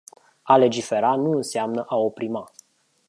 A legifera nu înseamnă a oprima.